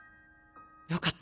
よかった。